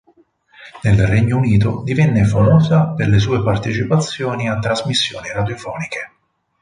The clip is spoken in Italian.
Nel Regno Unito divenne famosa per le sue partecipazioni a trasmissioni radiofoniche.